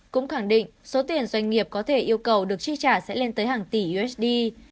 cũng khẳng định số tiền doanh nghiệp có thể yêu cầu được chi trả sẽ lên tới hàng tỷ usd